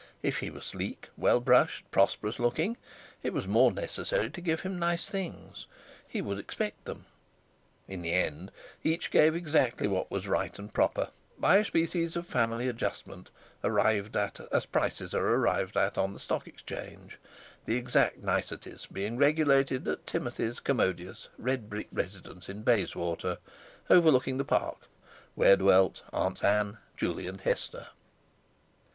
If he were sleek, well brushed, prosperous looking, it was more necessary to give him nice things; he would expect them. In the end each gave exactly what was right and proper, by a species of family adjustment arrived at as prices are arrived at on the Stock Exchange—the exact niceties being regulated at Timothy's commodious, red brick residence in Bayswater, overlooking the Park, where dwelt Aunts Ann, Juley, and Hester.